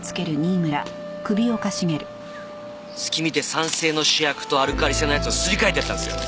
隙見て酸性の試薬とアルカリ性のやつをすり替えてやったんですよ。